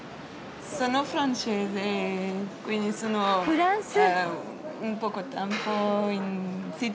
フランス。